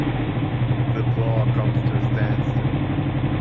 The plough comes to a standstill.